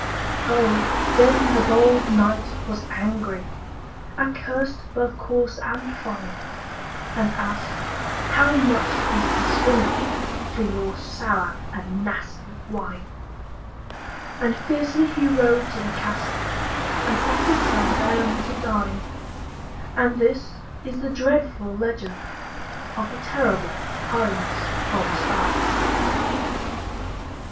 Oh, then the bold knight was angry, And cursed both coarse and fine; And asked, "How much is the swindle For your sour and nasty wine?" And fiercely he rode to the castle And sat himself down to dine; And this is the dreadful legend Of the terrible Heinz von Stein.